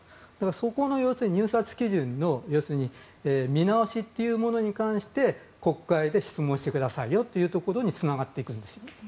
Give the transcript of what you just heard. そこの入札基準の見直しに関して国会で質問してくださいというところにつながっていくんです。